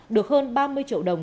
được hơn ba mươi triệu đồng